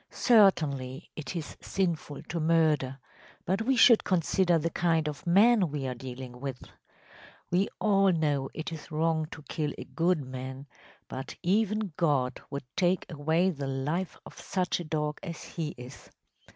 ’ Certainly it is sinful to murder; but we should consider the kind of man we are dealing with. We all know it is wrong to kill a good man, but even God would take away the life of such a dog as he is.